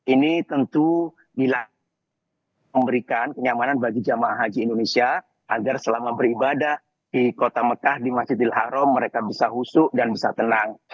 ini tentu bila memberikan kenyamanan bagi jemaah haji indonesia agar selama beribadah di kota mekah di masjidil haram mereka bisa husuk dan bisa tenang